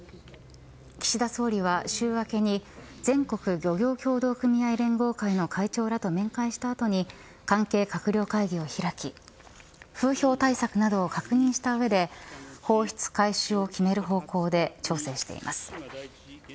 岸田総理は週明けに全国漁業協同組合連合会の会長らと面会した後に関係閣僚会議を開き風評対策などを確認した上で放出開始を決める方向で調整しています。